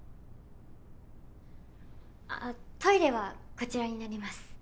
あトイレはこちらになります。